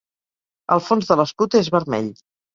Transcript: El fons de l'escut és vermell.